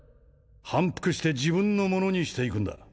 反復して自分のものにしていくんだ